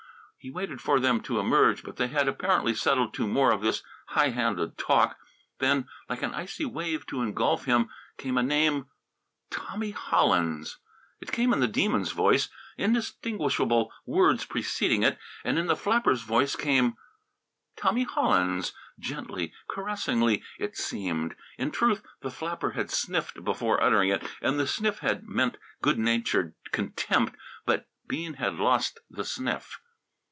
He waited for them to emerge, but they had apparently settled to more of this high handed talk. Then, like an icy wave to engulf him, came a name "Tommy Hollins." It came in the Demon's voice, indistinguishable words preceding it. And in the flapper's voice came "Tommy Hollins!" gently, caressingly, it seemed. In truth, the flapper had sniffed before uttering it, and the sniff had meant good natured contempt but Bean had lost the sniff.